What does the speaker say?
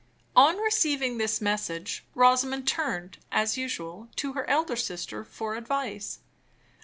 On receiving this message, Rosamond turned, as usual, to her elder sister for advice.